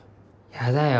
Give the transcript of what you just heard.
やだよ。